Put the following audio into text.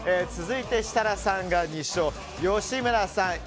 続いて、設楽さんが２勝吉村さん